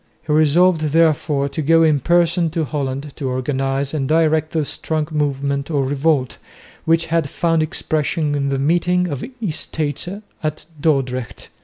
He resolved therefore to go in person to Holland to organise and direct the strong movement of revolt, which had found expression in the meeting of the Estates at Dordrecht.